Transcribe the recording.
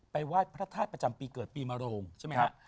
ไหว้พระธาตุประจำปีเกิดปีมโรงใช่ไหมครับ